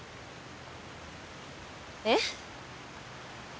えっ？